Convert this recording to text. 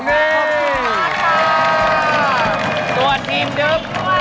ส่วนทีมดึก